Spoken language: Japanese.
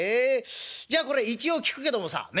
じゃあこれ一応聞くけどもさねっ。